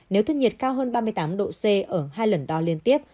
nếu thân nhiệt cao hơn ba mươi tám độ c ở hai lần đo liên tiếp